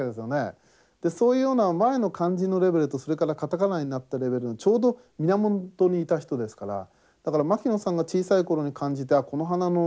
そういうような前の漢字のレベルとそれから片仮名になったレベルのちょうど源にいた人ですからだから牧野さんが小さい頃に感じたこの花の名前は面白い。